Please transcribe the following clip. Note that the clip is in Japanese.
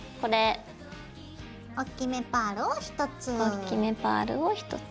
おっきめパールを１つ。